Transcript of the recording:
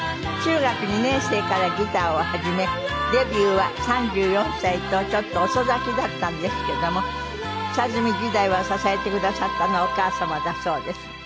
中学２年生からギターを始めデビューは３４歳とちょっと遅咲きだったんですけども下積み時代を支えてくださったのはお母様だそうです。